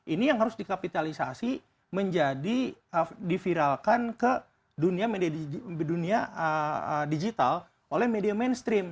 ini yang harus dikapitalisasi menjadi diviralkan ke dunia digital oleh media mainstream